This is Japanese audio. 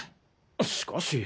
しかし。